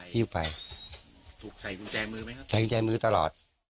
ถูกใส่กุญแจมือไหมครับพระอาจารย์ใส่กุญแจมือตลอด